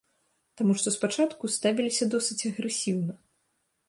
Таму што спачатку ставіліся досыць агрэсіўна.